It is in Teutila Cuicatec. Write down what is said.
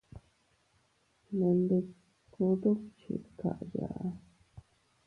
Nendikku dukchi dkayaa.